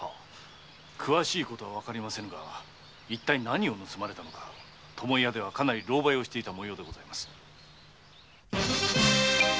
詳しいことはわかりませぬが一体何を盗まれたのか巴屋ではかなり狼狽していたとか。